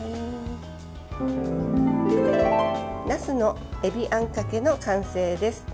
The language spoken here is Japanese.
なすのえびあんかけの完成です。